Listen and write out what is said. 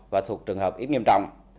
và thuộc trường hợp ít nghiêm trọng